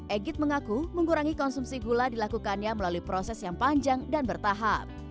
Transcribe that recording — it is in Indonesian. egit mengaku mengurangi konsumsi gula dilakukannya melalui proses yang panjang dan bertahap